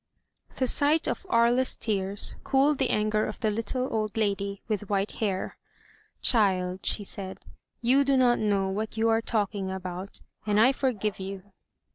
The sight of Aria's tears cooled the anger of the little old lady with white hair. Child," she said, "you do not know what you are talking about, and I forgive you.